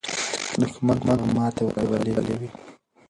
دښمن ته به ماته ورغلې وي.